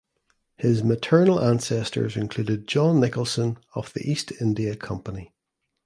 His maternal ancestors included John Nicholson of the East India Company.